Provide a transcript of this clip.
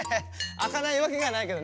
あかないわけがないけどね。